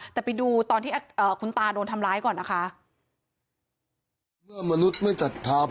แต่ไปดูตอนที่คุณตาโดนทำร้ายก่อนนะคะ